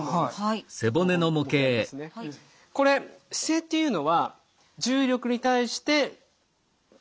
これ姿勢っていうのは重力に対して耐えると。